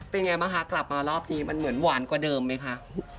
เป็นไงบ้างคะกลับมารอบนี้มันเหมือนหวานกว่าเดิมไหมคะ